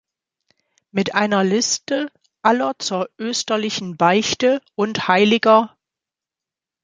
Mit einer Liste aller zur österlichen Beichte und hl.